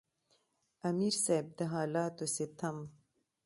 امیر صېب د حالاتو ستم،